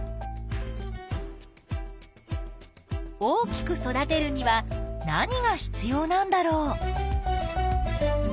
大きく育てるには何が必要なんだろう？